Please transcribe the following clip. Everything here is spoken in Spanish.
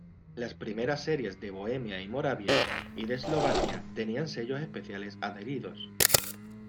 Las primeras series de Bohemia y Moravia, y de Eslovaquia tenían sellos especiales adheridos.